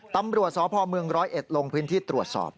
ตำรวจสพเมืองร้อยเอ็ดลงพื้นที่ตรวจสอบ